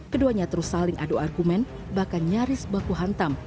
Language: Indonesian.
keduanya terus saling adu argumen bahkan nyaris baku hantam